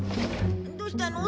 どうしたの？